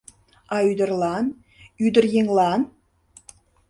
А ӱдырлан, ӱдыръеҥлан?..